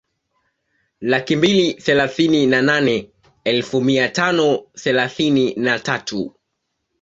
Laki mbili thelathini na nane elfu mia tano thelathini na tatu